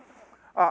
あっ！